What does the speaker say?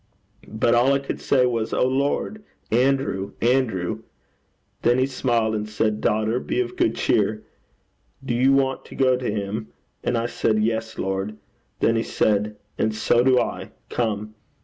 But all I could say was, "O Lord, Andrew, Andrew!" Then he smiled, and said, "Daughter, be of good cheer. Do you want to go to him?" And I said, "Yes, Lord." Then he said, "And so do I. Come."